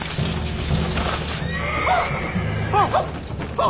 あっ！